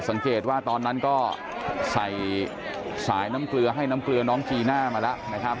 สังเกตว่าตอนนั้นก็ใส่สายน้ำเกลือให้น้ำเกลือน้องจีน่ามาแล้วนะครับ